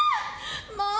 もう！